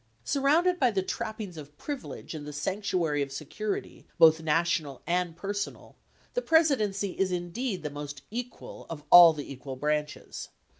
Surrounded by the trappings of privilege and the sanctuary of security, both national and personal, the Presidency is indeed the most equal of all the equal branches.